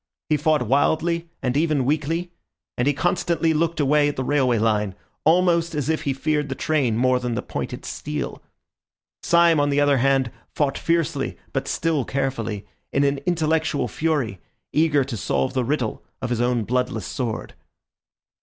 He fought wildly and even weakly, and he constantly looked away at the railway line, almost as if he feared the train more than the pointed steel. Syme, on the other hand, fought fiercely but still carefully, in an intellectual fury, eager to solve the riddle of his own bloodless sword.